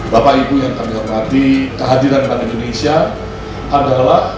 bapak ibu yang kami hormati kehadiran bank indonesia adalah